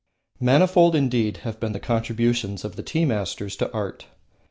Manifold indeed have been the contributions of the tea masters to art.